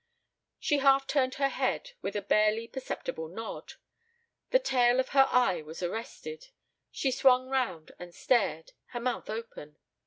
She half turned her head with a barely perceptible nod. The tail of her eye was arrested. She swung round and stared, her mouth open.